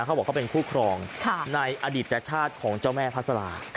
เขาบอกเขาเป็นคู่ครองในอดีตชาติของเจ้าแม่พัสรา